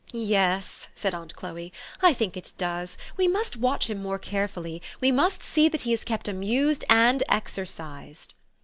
" Yes," said aunt Chloe, " I think it does. We must watch him more carefully. We must see that he is kept amused and exercised."